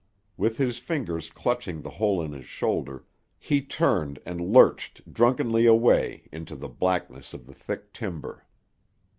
With his fingers clutching the hole in his shoulder, he turned and lurched drunkenly away into the blackness of the thick timber.